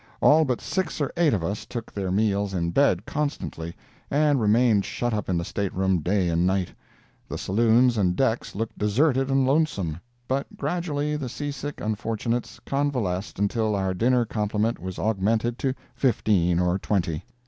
All but six or eight of us took their meals in bed constantly, and remained shut up in the staterooms day and night. The saloons and decks looked deserted and lonesome. But gradually the seasick unfortunates convalesced until our dinner complement was augmented to fifteen or twenty.